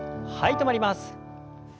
止まります。